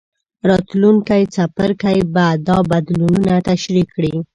راتلونکی څپرکی به دا بدلونونه تشریح کړي.